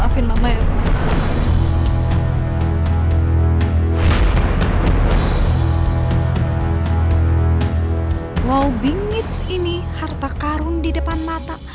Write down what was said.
wow bingits ini harta karun di depan mata